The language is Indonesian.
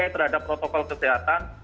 terhadap protokol kesehatan